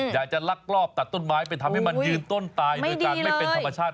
ลักลอบตัดต้นไม้ไปทำให้มันยืนต้นตายโดยการไม่เป็นธรรมชาติ